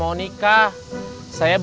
nah yang lalu ini aku